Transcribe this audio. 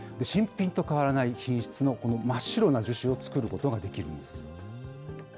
新品と変わらない品質のこの真っ白な樹脂を作ることができるんです。